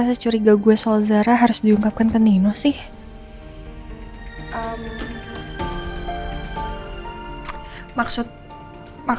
silahkan mbak mbak